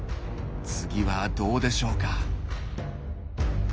次はどうでしょうか。